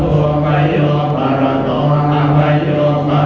สุดท้ายเท่าไหร่สุดท้ายเท่าไหร่